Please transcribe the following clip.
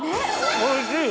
おいしい！